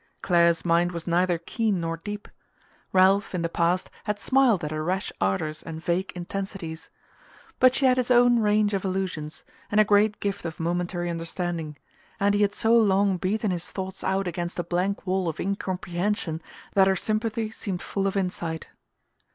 Clare's mind was neither keen nor deep: Ralph, in the past, had smiled at her rash ardours and vague intensities. But she had his own range of allusions, and a great gift of momentary understanding; and he had so long beaten his thoughts out against a blank wall of incomprehension that her sympathy seemed full of insight.